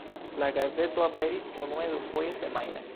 La gazeto aperis unue dufoje semajne.